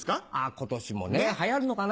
今年もね流行るのかな？